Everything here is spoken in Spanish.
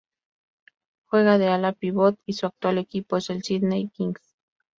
Juega de ala-pívot y su actual equipo es el Sydney Kings.